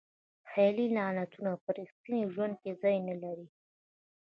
خیالي لغتونه په ریښتیني ژوند کې ځای نه لري.